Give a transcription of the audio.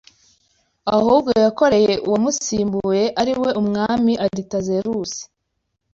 Ahubwo yakoreye uwamusimbuye ari we umwami Aritazeruzi